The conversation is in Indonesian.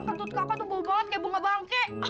ketut kakak tuh bau banget kayak bunga bangke